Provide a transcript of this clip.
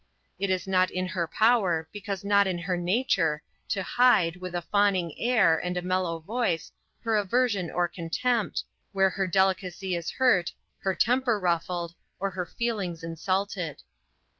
It is not in her power, because not in her nature, to hide, with a fawning air, and a mellow voice, her aversion or contempt, where her delicacy is hurt, here temper ruffled, or her feelings insulted.